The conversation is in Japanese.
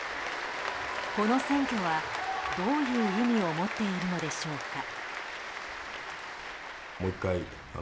この選挙は、どういう意味を持っているのでしょうか。